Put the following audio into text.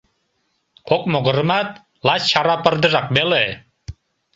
Кок могырымат лач чара пырдыжак веле.